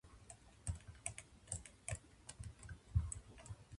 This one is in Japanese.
ご愛顧いただき誠にありがとうございます。